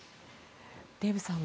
デーブさんは。